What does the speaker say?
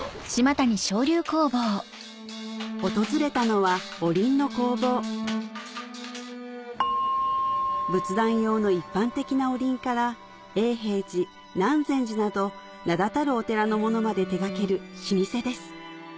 訪れたのはおりんの工房仏壇用の一般的なおりんから永平寺南禅寺など名だたるお寺のものまで手掛ける老舗です